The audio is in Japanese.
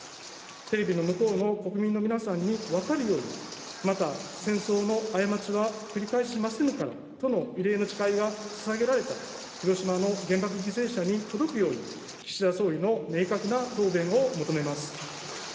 テレビの向こうの国民の皆さんに分かるように、また戦争の過ちは繰り返しませぬからとの慰霊の誓いがささげられた広島の原爆犠牲者に届くように、岸田総理の明確な答弁を求めます。